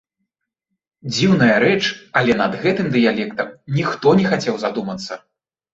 Дзіўная рэч, але над гэтым дыялектам ніхто не хацеў задумацца.